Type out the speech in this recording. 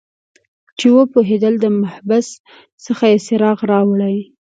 چې وپوهیدل د محبس څخه یې څراغ راوړي